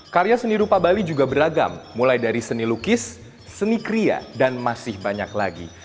karya seni rupa bali juga beragam mulai dari seni lukis seni kria dan masih banyak lagi